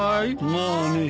まあね。